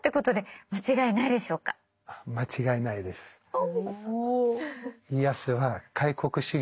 お。